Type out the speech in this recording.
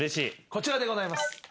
こちらでございます。